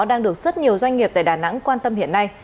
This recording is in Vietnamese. đang được rất nhiều doanh nghiệp tại đà nẵng quan tâm hiện nay